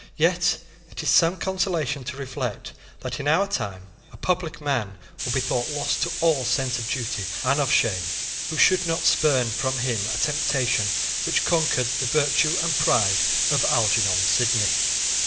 Yet it is some consolation to reflect that, in our time, a public man would be thought lost to all sense of duty and of shame, who should not spurn from him a temptation which conquered the virtue and the pride of Algernon Sydney.